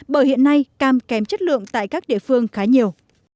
bởi hiện nay cam kém chất lượng tại các địa phương khá nhiều